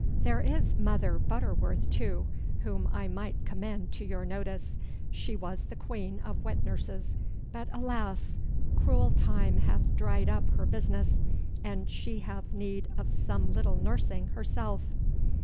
There is Mother Butterworth, too, whom I might commend to your notice. She was the queen of wet nurses, but alas! cruel time hath dried up her business, and she hath need of some little nursing herself.